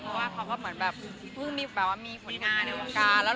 เพราะว่าเขามีผลงานในวังการ